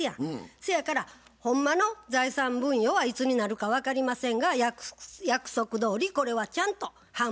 そやからほんまの財産分与はいつになるか分かりませんが約束どおりこれはちゃんと半分もらえます。